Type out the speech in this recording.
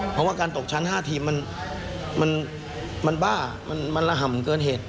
เพราะว่าการตกชั้น๕ทีมมันบ้ามันระห่ำเกินเหตุ